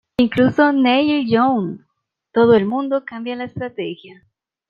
Incluso Neil Young, todo el mundo cambió la estrategia.